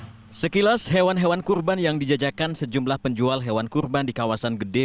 hai sekilas hewan hewan kurban yang dijajakan sejumlah penjual hewan kurban di kawasan gede